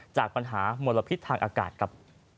จากปัญหามลพิษทางอากาศครับ